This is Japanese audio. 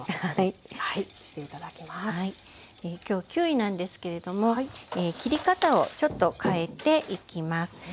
今日キウイなんですけれども切り方をちょっと変えていきます。